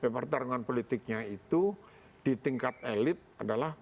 pertarungan politiknya itu di tingkat elit adalah